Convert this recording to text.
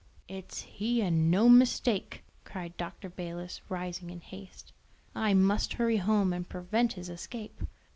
"It's he and no mistake!" cried Dr. Balis, rising in haste. "I must hurry home and prevent his escape.